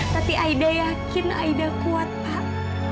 tapi aida yakin aida kuat pak